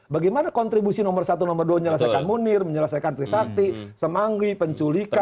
bagaimana kontribusi nomor satu nomor dua menyelesaikan munir menyelesaikan trisakti semanggi penculikan